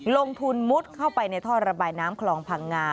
ลงทุนมุดเข้าไปในท่อระบายน้ำคลองพังงา